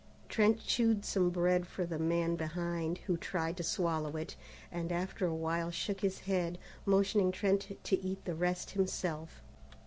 Trent chewed some bread for the man behind, who tried to swallow it, and after a while shook his head, motioning Trent to eat the rest himself.